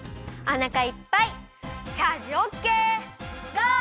ゴー！